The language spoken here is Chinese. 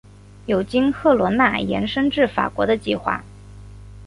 有经赫罗纳延伸至法国的计划。